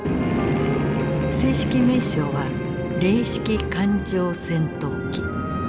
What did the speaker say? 正式名称は零式艦上戦闘機。